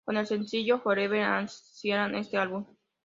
Con el sencillo "Forever As One cierran" este álbum.